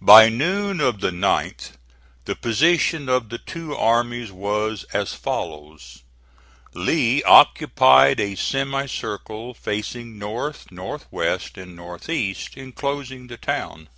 By noon of the 9th the position of the two armies was as follows: Lee occupied a semicircle facing north, north west and north east, inclosing the town.